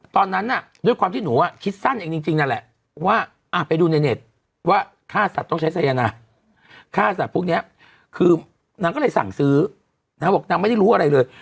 ตอนนั้นน่ะด้วยความที่หนูคิดสั้นเองจริงนั่นแหละว่าไปดูในเน็ตว่าค่าสัตว์ต้องใช้สายนายค่าสัตว์พวกนี้คือนางก็เลยสั่งซื้อนางบอกนางไม่ได้รู้อะไรเลย